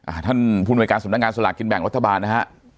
อ่าท่านภูมิวัยการสำนักงานสลากินแบ่งรัฐบาลนะฮะ